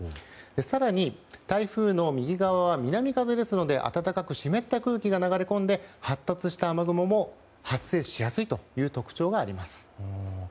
更に、台風の右側は南風ですので暖かく湿った空気が流れ込んで発達した雨雲も発生しやすいという特徴があります。